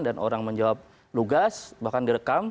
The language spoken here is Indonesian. dan orang menjawab lugas bahkan direkam